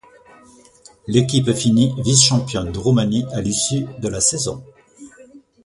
L'équipe finit vice-championne de Roumanie à l'issue de la saison.